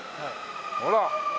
ほら。